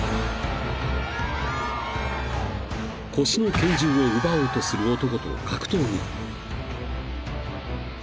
［腰の拳銃を奪おうとする男と格闘に］